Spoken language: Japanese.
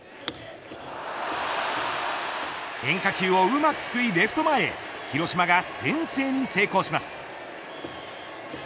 変化球をうまくすくいレフト前へ広島が先制に成功します。